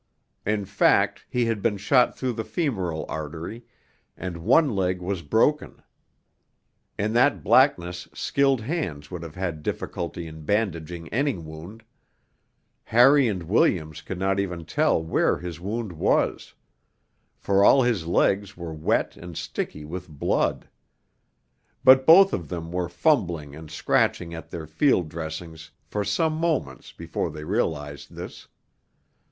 In fact, he had been shot through the femoral artery, and one leg was broken. In that blackness skilled hands would have had difficulty in bandaging any wound; Harry and Williams could not even tell where his wound was, for all his legs were wet and sticky with blood. But both of them were fumbling and scratching at their field dressings for some moments before they realized this.